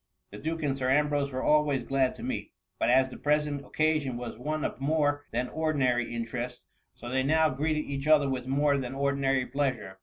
The duke and Sir Ambrose were always glad to meet, but as the present occasion was one of more than ordinary interest, so they now greeted each other with more than ordinary pleasure.